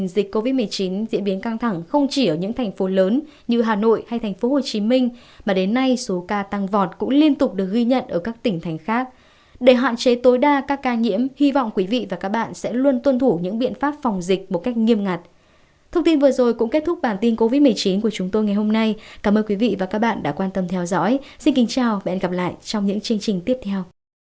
xin kính chào và hẹn gặp lại trong những chương trình tiếp theo